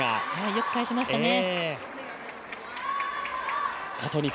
よく返しましたね。